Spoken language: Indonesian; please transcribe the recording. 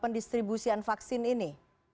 pendistribusian vaksin ini